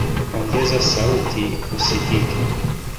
Ongeza sauti usikike